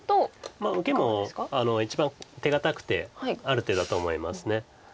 受けも一番手堅くてある手だと思います。